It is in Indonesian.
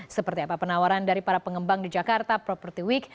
seperti apa penawaran dari para pengembang di jakarta property week